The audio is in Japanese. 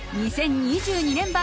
２０２２年版